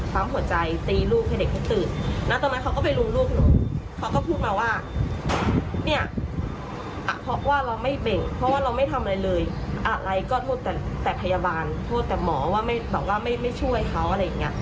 หนูแค่สงสัยว่าทำไมเขาไม่อ่านรายละเอียดตั้งแต่แรกหรอ